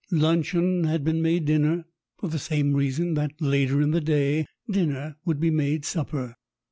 Luncheon had been made dinner, for the same reason that later in the day dinner would be made supper.